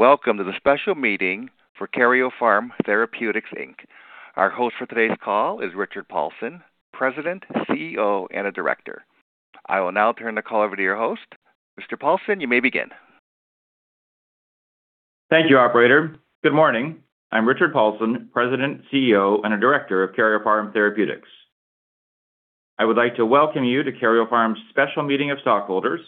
Welcome to the special meeting for Karyopharm Therapeutics, Inc. Our host for today's call is Richard Paulson, President, CEO, and a Director. I will now turn the call over to your host. Mr. Paulson, you may begin. Thank you, operator. Good morning. I'm Richard Paulson, President, CEO, and a director of Karyopharm Therapeutics. I would like to welcome you to Karyopharm's special meeting of stockholders.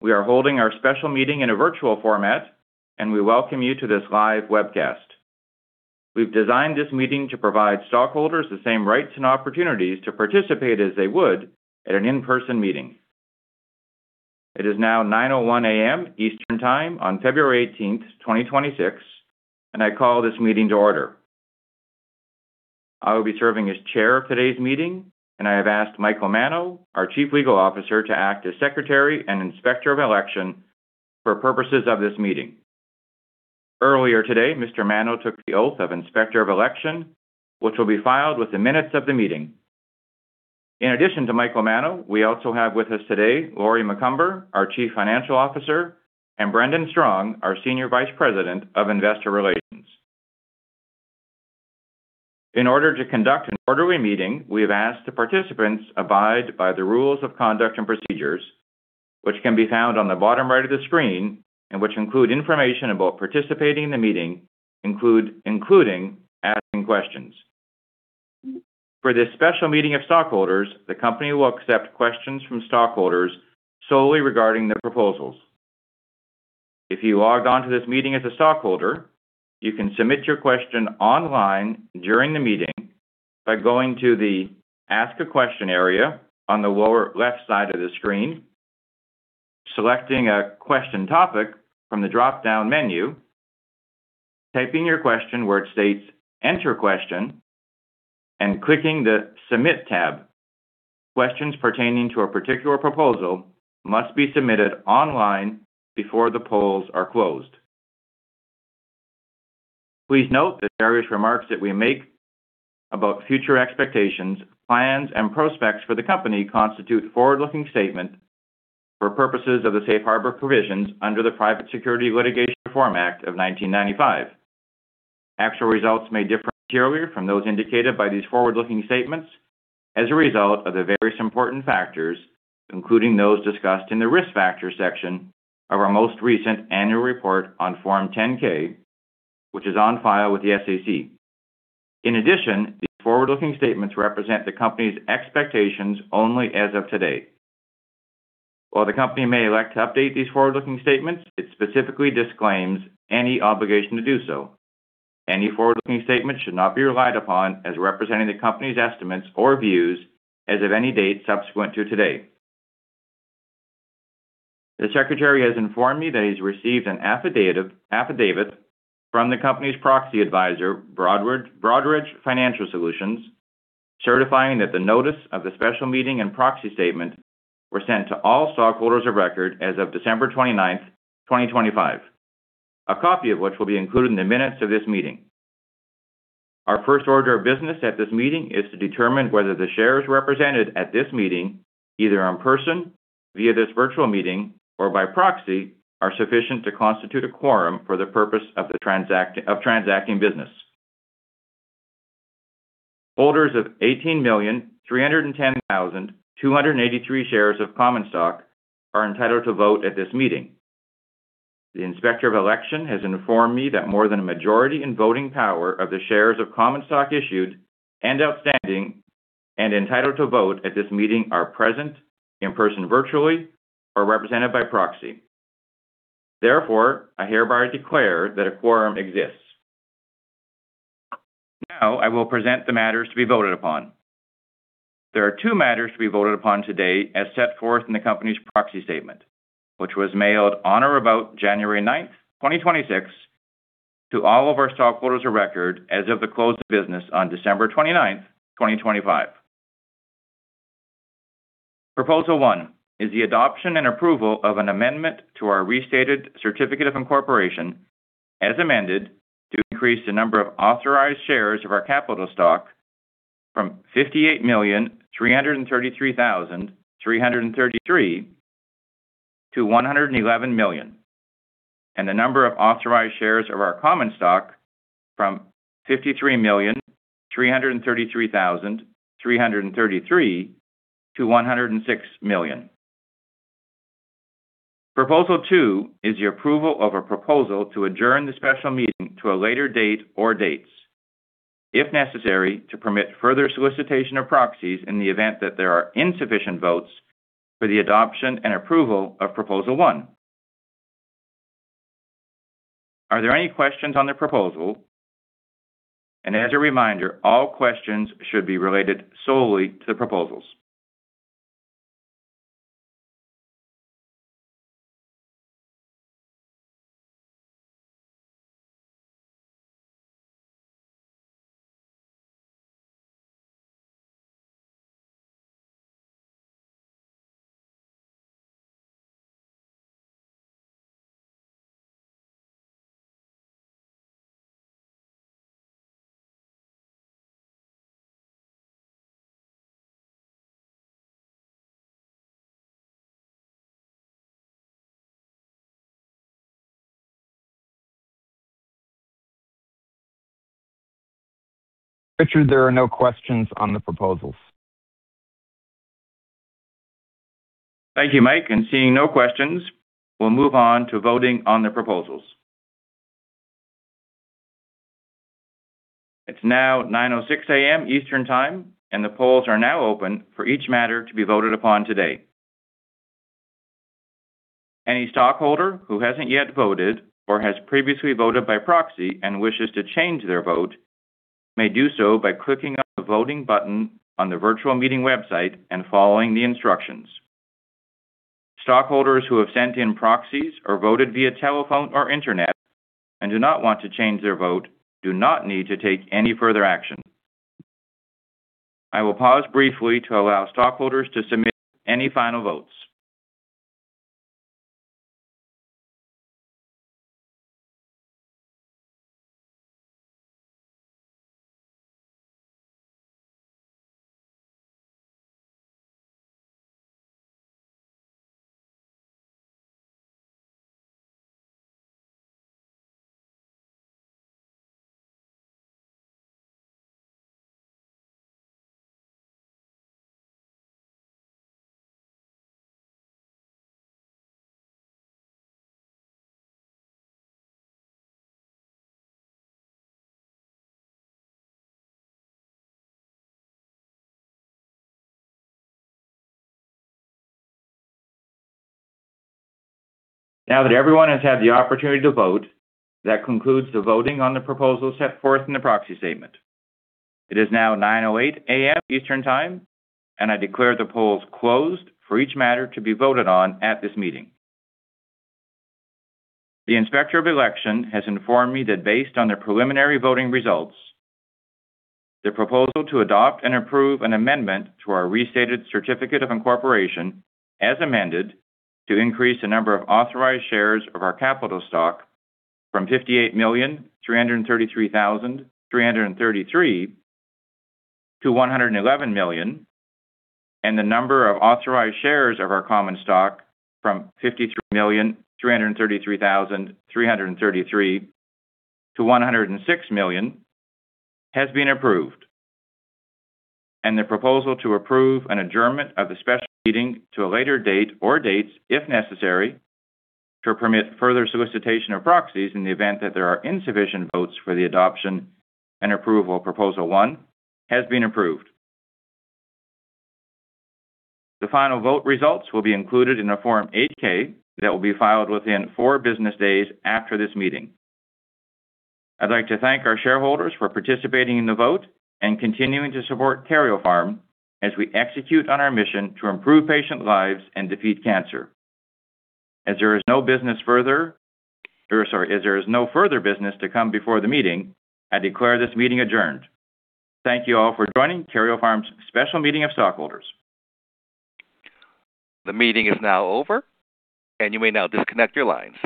We are holding our special meeting in a virtual format, and we welcome you to this live webcast. We've designed this meeting to provide stockholders the same rights and opportunities to participate as they would at an in-person meeting. It is now 9:00 A.M. Eastern Time on February 18th, 2026, and I call this meeting to order. I will be serving as chair of today's meeting, and I have asked Michael Mano, our Chief Legal Officer, to act as secretary and inspector of election for purposes of this meeting. Earlier today, Mr. Mano took the oath of Inspector of Election, which will be filed with the minutes of the meeting. In addition to Michael Mano, we also have with us today, Lori Macomber, our Chief Financial Officer, and Brendan Strong, our Senior Vice President of Investor Relations. In order to conduct an orderly meeting, we have asked the participants to abide by the rules of conduct and procedures, which can be found on the bottom right of the screen, and which include information about participating in the meeting, including asking questions. For this special meeting of stockholders, the company will accept questions from stockholders solely regarding the proposals. If you logged on to this meeting as a stockholder, you can submit your question online during the meeting by going to the Ask a Question area on the lower left side of the screen, selecting a question topic from the dropdown menu, typing your question where it states, "Enter question," and clicking the Submit tab. Questions pertaining to a particular proposal must be submitted online before the polls are closed. Please note that various remarks that we make about future expectations, plans, and prospects for the company constitute forward-looking statements for purposes of the safe harbor provisions under the Private Securities Litigation Reform Act of 1995. Actual results may differ materially from those indicated by these forward-looking statements as a result of the various important factors, including those discussed in the Risk Factors section of our most recent annual report on Form 10-K, which is on file with the SEC. In addition, these forward-looking statements represent the company's expectations only as of today. While the company may elect to update these forward-looking statements, it specifically disclaims any obligation to do so. Any forward-looking statements should not be relied upon as representing the company's estimates or views as of any date subsequent to today. The secretary has informed me that he's received an affidavit, affidavit from the company's proxy advisor, Broadridge, Broadridge Financial Solutions, certifying that the notice of the special meeting and proxy statement were sent to all stockholders of record as of December 29th, 2025. A copy of which will be included in the minutes of this meeting. Our first order of business at this meeting is to determine whether the shares represented at this meeting, either in person, via this virtual meeting, or by proxy, are sufficient to constitute a quorum for the purpose of the transact-- of transacting business. Holders of 18,310,283 shares of common stock are entitled to vote at this meeting. The Inspector of Election has informed me that more than a majority in voting power of the shares of common stock issued and outstanding and entitled to vote at this meeting are present, in person, virtually, or represented by proxy. Therefore, I hereby declare that a quorum exists. Now, I will present the matters to be voted upon. There are two matters to be voted upon today as set forth in the company's proxy statement, which was mailed on or about January 9, 2026, to all of our stockholders of record as of the close of business on December 29, 2025. Proposal One is the adoption and approval of an amendment to our Restated Certificate of Incorporation, as amended, to increase the number of authorized shares of our capital stock from 58,333,333 to 111 million, and the number of authorized shares of our common stock from 53,333,333 to 106 million. Proposal Two is the approval of a proposal to adjourn the special meeting to a later date or dates, if necessary, to permit further solicitation of proxies in the event that there are insufficient votes for the adoption and approval of Proposal One. Are there any questions on the proposal? And as a reminder, all questions should be related solely to the proposals. Richard, there are no questions on the proposals. Thank you, Mike, and seeing no questions, we'll move on to voting on the proposals. It's now 9:06 A.M. Eastern Time, and the polls are now open for each matter to be voted upon today. Any stockholder who hasn't yet voted or has previously voted by proxy and wishes to change their vote, may do so by clicking on the voting button on the virtual meeting website and following the instructions. Stockholders who have sent in proxies or voted via telephone or internet and do not want to change their vote, do not need to take any further action. I will pause briefly to allow stockholders to submit any final votes. Now that everyone has had the opportunity to vote, that concludes the voting on the proposals set forth in the proxy statement. It is now 9:08 A.M. Eastern Time, and I declare the polls closed for each matter to be voted on at this meeting. The Inspector of Election has informed me that based on the preliminary voting results, the proposal to adopt and approve an amendment to our Restated Certificate of Incorporation, as amended, to increase the number of authorized shares of our capital stock from 58,333,333 to 111 million, and the number of authorized shares of our common stock from 53,333,333 to 106 million has been approved. The proposal to approve an adjournment of the special meeting to a later date or dates, if necessary, to permit further solicitation of proxies in the event that there are insufficient votes for the adoption and approval of proposal one has been approved. The final vote results will be included in a Form 8-K that will be filed within four business days after this meeting. I'd like to thank our shareholders for participating in the vote and continuing to support Karyopharm as we execute on our mission to improve patient lives and defeat cancer. As there is no further business to come before the meeting, I declare this meeting adjourned. Thank you all for joining Karyopharm's special meeting of stockholders. The meeting is now over, and you may now disconnect your lines.